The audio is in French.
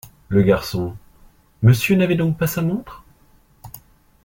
Le Garçon. — Monsieur n’avait donc pas sa montre ?